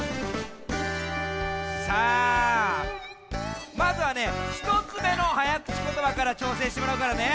さあまずはねひとつめのはやくちことばからちょうせんしてもらうからね。